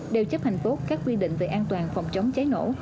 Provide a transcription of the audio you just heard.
đều chấp hành tốt các quy định về an toàn phòng chống cháy nổ